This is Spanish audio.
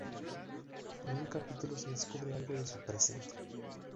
En un capítulo se descubre algo de su "presente".